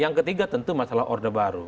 yang ketiga tentu masalah orde baru